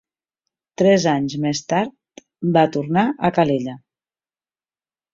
Tres anys més tard va tornar a Calella.